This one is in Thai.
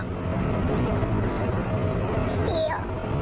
คนที่ชื่อโมธอ่ะครับ